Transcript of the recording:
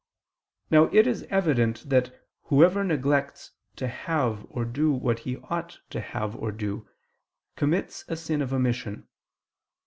Now it is evident that whoever neglects to have or do what he ought to have or do, commits a sin of omission.